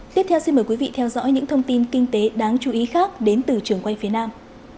tiếp theo xin mời quý vị theo dõi những thông tin kinh tế đáng chú ý khác đến từ trường quay phía nam